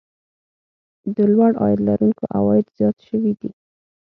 د لوړ عاید لرونکو عوايد زیات شوي دي